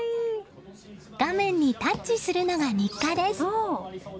画面にタッチするのが日課です。